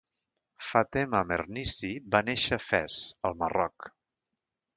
Fatema Mernissi va néixer a Fes, el Marroc.